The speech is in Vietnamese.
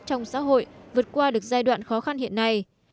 trong xã hội vượt qua được giai đoạn khó khăn hiện nay